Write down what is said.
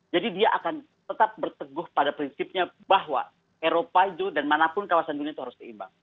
jadi dia akan tetap berteguh pada prinsipnya bahwa eropa itu dan manapun kawasan dunia itu harus seimbang